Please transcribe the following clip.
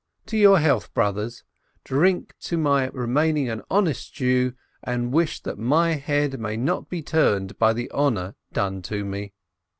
To your health, brothers ! Drink to my remaining an honest Jew, and wish that my head may not be turned by the honor done to me